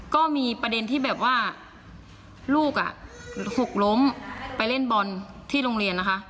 ก็มีประเด็นที่แบบว่าลูกหกล้มไปเล่นบอลที่โรงเรียนนะคะ